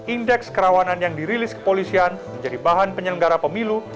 indeks kerawanan yang dirilis kepolisian menjadi bahan penyelenggara pemilu